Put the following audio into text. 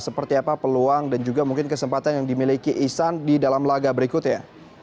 seperti apa peluang dan juga mungkin kesempatan yang dimiliki ihsan di dalam laga berikutnya